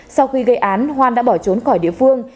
sau khi gây án hoan đã bỏ trốn khỏi địa phương